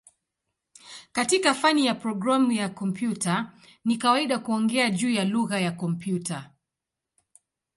Katika fani ya programu za kompyuta ni kawaida kuongea juu ya "lugha ya kompyuta".